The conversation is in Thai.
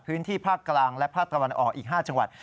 พื้นที่ภาคกลางและภาคตะวันออกอีก๕จังหวัด